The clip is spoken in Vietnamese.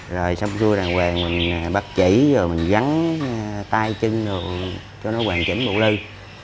rồi xong rồi đàng hoàng mình bắt chỉ rồi mình gắn tay chân rồi cho nó hoàn chỉnh bộ lưu